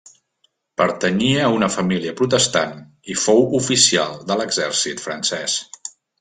Pertanyia a una família protestant, i fou oficial de l'exèrcit francès.